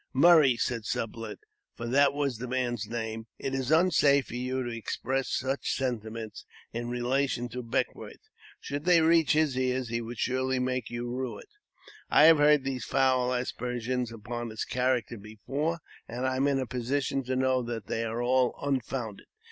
" Murray," said Sublet — for that was the man's name —" it is unsafe for you to express such sentiments in relation to Beckwourth; should they reach his ears, he would surely make you rue it. I have heard these foul aspersions upon his character before, and I am in a position to know that they are all unfounded.